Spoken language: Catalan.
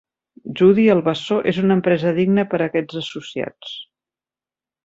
Judy, el bessó, és una empresa digna per a aquests associats.